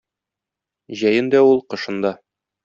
Җәен дә ул, кышын да.